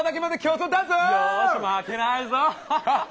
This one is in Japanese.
よし負けないぞ！